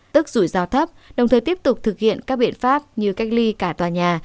tức rủi ro thấp đồng thời tiếp tục thực hiện các biện pháp như cách ly cả tòa nhà